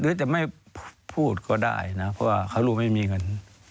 หรือจะไม่พูดก็ได้นะเพราะว่าเค้าไม่มีกัน